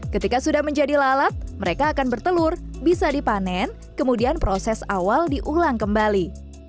ketika sudah menjadi lalap mereka akan bertelur bisa dipanen kemudian proses awal diulang kembali